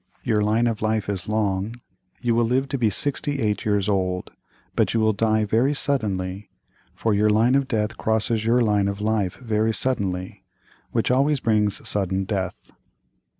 Your line of life is long; you will live to be sixty eight years old, but you will die very suddenly, for your line of death crosses your line of life very suddenly, which always brings sudden death."